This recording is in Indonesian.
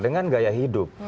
dengan gaya hidup